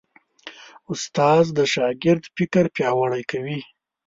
استاد د شاګرد فکر پیاوړی کوي.